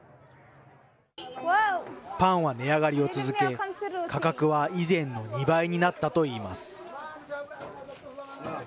パンは値上がりを続け、価格は以前の２倍になったといいます。